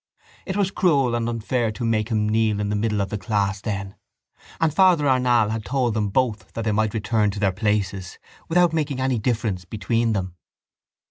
It was cruel and unfair to make him kneel in the middle of the class then: and Father Arnall had told them both that they might return to their places without making any difference between them.